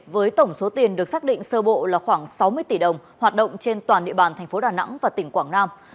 với tổng số tiền được xác định sơ bộ là khoảng sáu mươi tỷ đồng hoạt động trên toàn địa bàn thành phố đà nẵng và tỉnh quảng nam